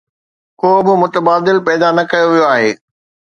ڪوبه متبادل پيدا نه ڪيو ويو آهي.